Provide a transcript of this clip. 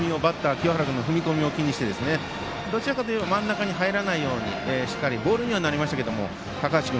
清原君の踏み込みを気にしてどちらかといえば真ん中に入らないようにボールにはなりましたけど高橋君